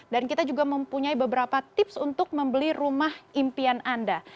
dan kita juga mempunyai beberapa tips untuk membeli rumah impian anda